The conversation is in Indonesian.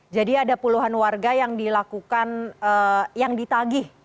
jadi ada puluhan warga yang dilakukan yang ditagi